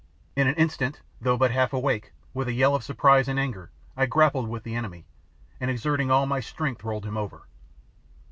In an instant, though but half awake, with a yell of surprise and anger I grappled with the enemy, and exerting all my strength rolled him over.